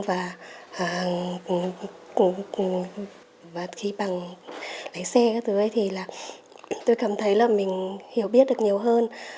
và khi bằng lái xe các thứ ấy thì tôi cảm thấy là mình hiểu biết được nhiều hơn